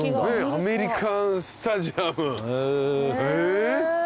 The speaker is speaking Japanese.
アメリカンスタジアムへぇ。